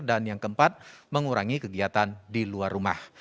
dan yang keempat mengurangi kegiatan di luar rumah